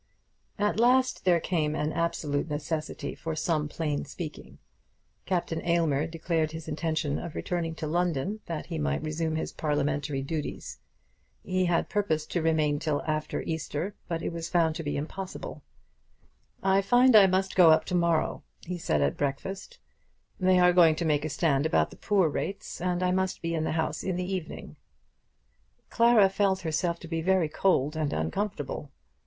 At last there came an absolute necessity for some plain speaking. Captain Aylmer declared his intention of returning to London that he might resume his parliamentary duties. He had purposed to remain till after Easter, but it was found to be impossible. "I find I must go up to morrow," he said at breakfast. "They are going to make a stand about the Poor rates, and I must be in the House in the evening." Clara felt herself to be very cold and uncomfortable.